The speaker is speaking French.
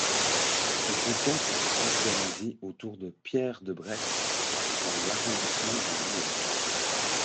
Ce canton est organisé autour de Pierre-de-Bresse dans l'arrondissement de Louhans.